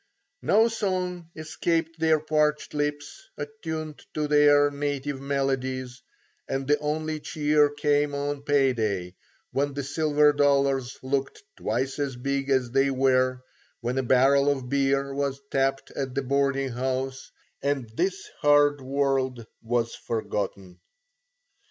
No song escaped their parched lips, attuned to their native melodies, and the only cheer came on pay day, when the silver dollars looked twice as big as they were, when a barrel of beer was tapped at the boarding house and this hard world was forgotten.